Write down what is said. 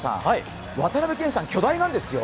渡辺謙さん、巨大なんですよ？